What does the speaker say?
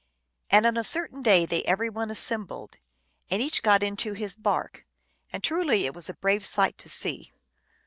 And on a certain day they every one assembled, and each got into his bark, and truly it was a brave sight to see.